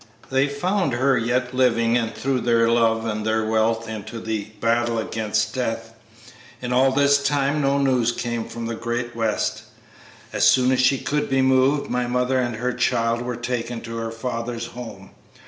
They found her yet living and threw their love and their wealth into the battle against death. In all this time no news came from the great West. As soon as she could be moved my mother and her child were taken to her father's home.